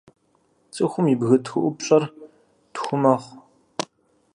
Цӏыхум и бгы тхыӏупщӏэр тху мэхъу.